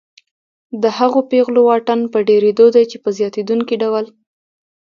د هغو پیغلو واټن په ډېرېدو دی چې په زیاتېدونکي ډول